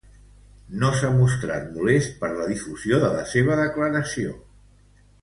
No s’ha mostrat molest per la difusió de la seva declaració.